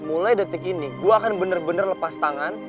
mulai detik ini gue akan bener bener lepas tangan